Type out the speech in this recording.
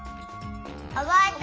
おぼえた！